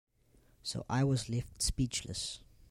So I was left speechless.